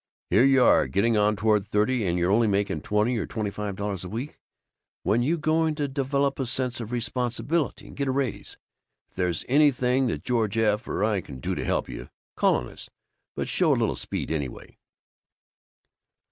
Here you are getting on toward thirty, and you're only making twenty or twenty five a week. When you going to develop a sense of responsibility and get a raise? If there's anything that George F. or I can do to help you, call on us, but show a little speed, anyway!